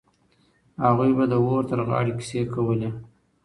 هغوی به د اور تر غاړې کيسې کولې.